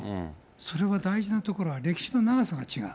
それは大事なところは歴史の長さが違う。